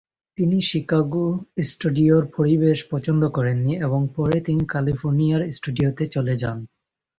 তিনি শিকাগো স্টুডিওর পরিবেশ পছন্দ করেন নি এবং পরে তিনি ক্যালিফোর্নিয়ার স্টুডিওতে চলে যান।